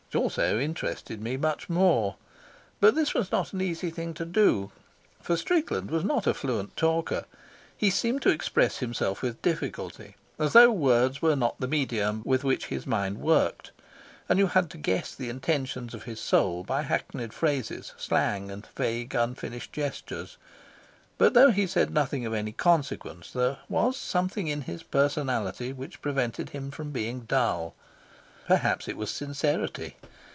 It also interested me much more. But this was not an easy thing to do, for Strickland was not a fluent talker. He seemed to express himself with difficulty, as though words were not the medium with which his mind worked; and you had to guess the intentions of his soul by hackneyed phrases, slang, and vague, unfinished gestures. But though he said nothing of any consequence, there was something in his personality which prevented him from being dull. Perhaps it was sincerity.